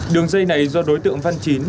đường dây này do đối tượng văn chín